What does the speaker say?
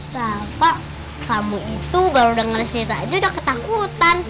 bapak kamu itu baru dengar cerita aja udah ketakutan